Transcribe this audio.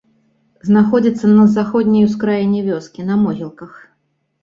Знаходзіцца на заходняй ускраіне вёскі, на могілках.